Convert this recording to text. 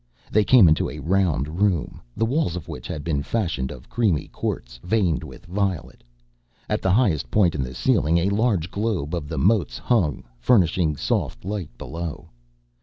They came into a round room, the walls of which had been fashioned of creamy quartz veined with violet. At the highest point in the ceiling a large globe of the motes hung, furnishing soft light below.